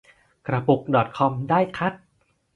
กระปุกดอทคอมได้คัด